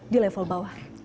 di level bawah